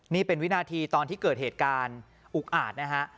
นี่เป็นวินาทีตอนที่เกิดเหตุการณ์อุกอาจนะฮะ